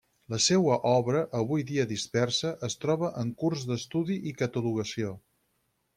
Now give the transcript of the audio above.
La seua obra, avui dia dispersa, es troba en curs d'estudi i catalogació.